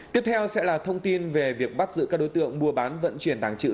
tiếp theo sẽ là thông tin về việc bắt giữ các đối tượng mua bán vận chuyển tàng trữ